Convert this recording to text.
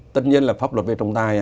tất nhiên là pháp luật về trọng tài